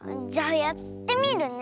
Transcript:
じゃあやってみるね。